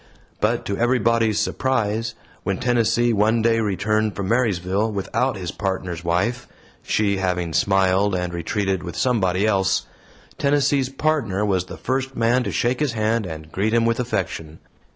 But to everybody's surprise, when Tennessee one day returned from Marysville, without his Partner's wife she having smiled and retreated with somebody else Tennessee's Partner was the first man to shake his hand and greet him with affection.